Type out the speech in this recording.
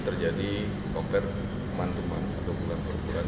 terjadi kompet mantuman atau bulan bulan